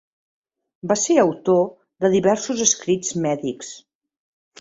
Va ser autor de diversos escrits mèdics.